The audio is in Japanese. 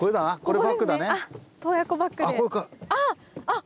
あっ！